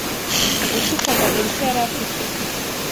ugushikama Elisa yari afite